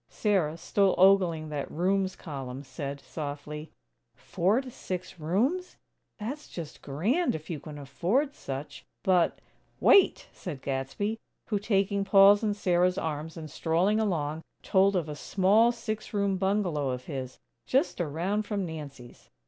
Sarah, still ogling that "rooms" column said, softly: "Four to six rooms? That's just grand if you can afford such. But, " "Wait!" said Gadsby, who, taking Paul's and Sarah's arms, and strolling along, told of a small six room bungalow of his, just around from Nancy's.